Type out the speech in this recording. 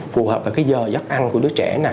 phù hợp với giờ giấc ăn của đứa trẻ